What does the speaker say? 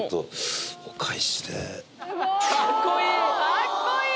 かっこいい！